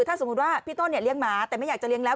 ถ้าสมมุติว่าพี่ต้นเนี่ยเลี้ยงหมาแต่ไม่อยากจะเลี้ยแล้ว